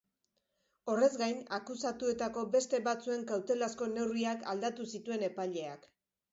Horrez gain, akusatuetako beste batzuen kautelazko neurriak aldatu zituen epaileak.